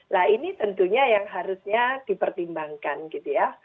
nah ini tentunya yang harusnya dipertimbangkan gitu ya